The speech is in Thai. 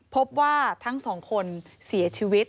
พบว่าทั้งสองคนเสียชีวิต